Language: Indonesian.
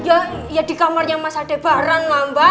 eh ya di kamarnya mas adebaran mbak